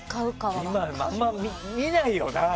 今あんまり見ないよな。